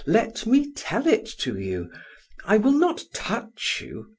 Let me tell it to you. I will not touch you.